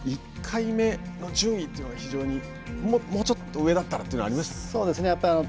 １回目の順位というのは非常にもうちょっと上だったらというのはありましたか？